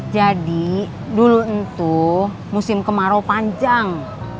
jadi dulu itu musim kemarau panjang